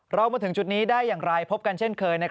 เรามาถึงจุดนี้ได้อย่างไรพบกันเช่นเคย